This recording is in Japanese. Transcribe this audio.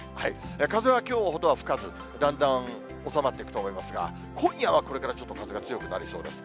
風はきょうほどは吹かず、だんだん収まっていくと思いますが、今夜はこれからちょっと風が強くなりそうです。